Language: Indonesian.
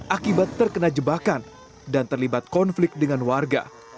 akibat terkena jebakan dan terlibat konflik dengan warga